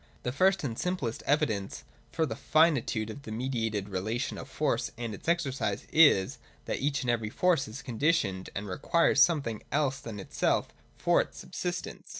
The first and simplest evidence for the finitude of the mediated re lation of force and its exercise is, that each and every force 136.] FORCE. Zi^t) is conditioned and requires something else than itself for its subsistence.